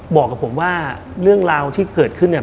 บอกกับผมว่าเรื่องราวที่เกิดขึ้นเนี่ย